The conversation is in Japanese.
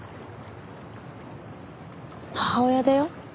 母親だよ。